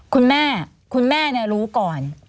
คุณแม่คุณแม่รู้ก่อน